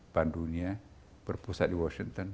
bandung nya berpusat di washington